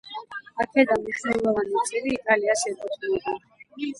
აქედან მნიშვნელოვანი წილი იტალიას ეკუთვნოდა.